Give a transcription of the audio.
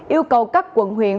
yêu cầu các quận huyện